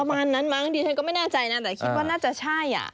ประมาณนั้นมั้งดิฉันก็ไม่แน่ใจนะแต่คิดว่าน่าจะใช่อ่ะ